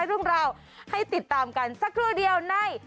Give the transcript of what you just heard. ให้ทุกคนเราติดตามกันสักครู่เดียวใน